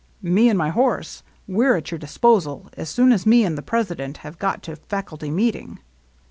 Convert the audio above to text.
" Me 'n' my horse, we 're at your disposal as soon as me and the president have got to faculty meet ing.